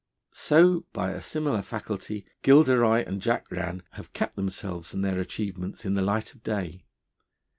So by a similar faculty Gilderoy and Jack Rann have kept themselves and their achievements in the light of day.